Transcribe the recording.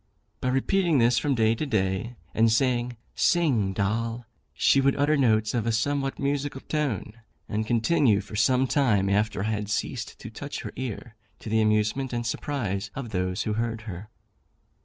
By repeating this from day to day, and saying "Sing, Doll," she would utter notes of a somewhat musical tone, and continue for some time after I had ceased to touch her ear, to the amusement and surprise of those who heard her.